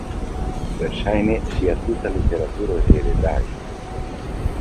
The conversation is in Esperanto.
Verŝajne, ŝia tuta literatura heredaĵo.